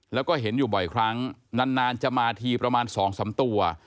แล้วก็เห็นอยู่บ่อยครั้งนานจะมาทีประมาณ๒๓ตัว